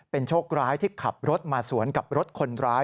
โชคร้ายที่ขับรถมาสวนกับรถคนร้าย